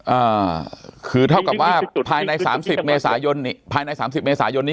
อ่าคือเท่ากับว่าภายในสามสิบเมษายนภายในสามสิบเมษายนนี้